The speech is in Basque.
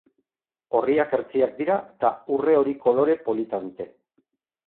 Orriak hertsiak dira eta urre-hori kolore polita dute.